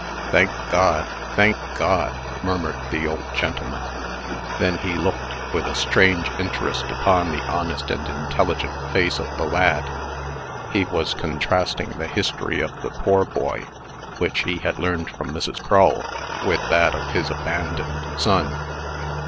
"Thank God! thank God!" murmured the old gentleman. Then he looked with a strange interest upon the honest and intelligent face of the lad. He was contrasting the history of the poor boy, which he had learned from Mrs. Crull, with that of his abandoned son.